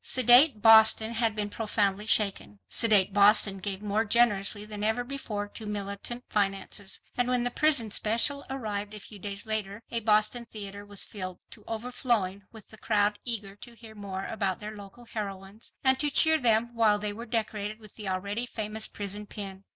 Sedate Boston had been profoundly shaken. Sedate Boston gave more generously than ever before to militant finances. And when the "Prison Special" arrived a few days later a Boston theatre was filled to overflowing with a crowd eager to hear more about their local heroines, and to cheer them while they were decorated with the already famous prison pin.